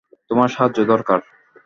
তোমার সাহায্য দরকার।